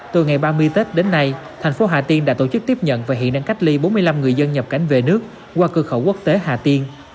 từ ngày ba mươi tết đến nay thành phố hà tiên đã tổ chức tiếp nhận và hiện đang cách ly bốn mươi năm người dân nhập cảnh về nước qua cửa khẩu quốc tế hà tiên